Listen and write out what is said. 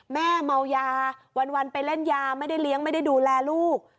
แม่เมายาวันไปเล่นยาไม่ได้เลี้ยงไม่ได้ดูแลลูก